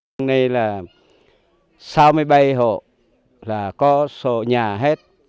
hôm nay là sáu mươi bây hộ là có số nhà hết